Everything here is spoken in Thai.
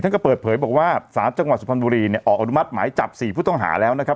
ก็เปิดเผยบอกว่าสารจังหวัดสุพรรณบุรีเนี่ยออกอนุมัติหมายจับ๔ผู้ต้องหาแล้วนะครับ